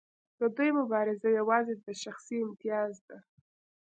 د دوی مبارزه یوازې د شخصي امتیاز ده.